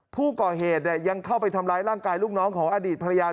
ผู้ก่อเหตุยังเข้าไปทำร้ายร่างกายลูกน้องของอดีตภรรยา